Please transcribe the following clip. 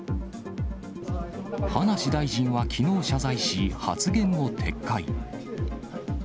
葉梨大臣はきのう謝罪し、発言を撤回。